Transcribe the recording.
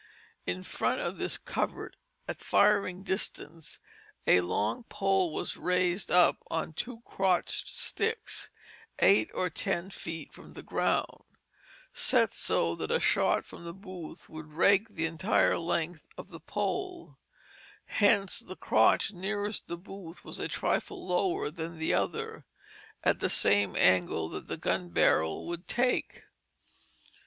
In front of this covert, at firing distance, a long pole was raised up on two crotched sticks eight or ten feet from the ground, set so that a shot from the booth would rake the entire length of the pole; hence the crotch nearest the booth was a trifle lower than the other, at the same angle that the gun barrel would take.